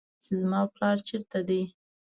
چې زما پلار چېرته دى.